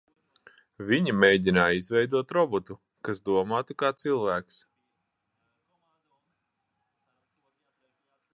Viņi mēģināja izveidot robotu, kas domātu kā cilvēks?